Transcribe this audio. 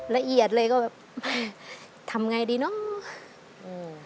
ละเอียดเลยก็แบบทำไงดีเนาะ